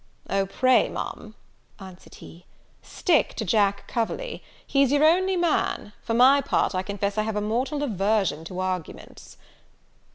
"O, pray, Ma'am," answered he, "stick to Jack Coverley, he's your only man; for my part, I confess I have a mortal aversion to arguments."